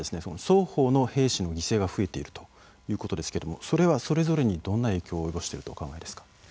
双方の兵士の犠牲が増えているということですけどもそれはそれぞれにどんな影響を及ぼしているとお考えですか？